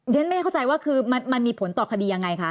ฉันไม่เข้าใจว่าคือมันมีผลต่อคดียังไงคะ